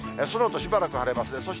そのあとしばらく晴れますね。